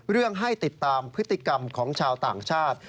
เรื่องให้ติดตามพฤติกรรมของชาวต่างชาติ